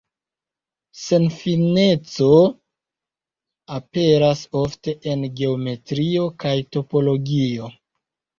Senfineco aperas ofte en geometrio kaj topologio.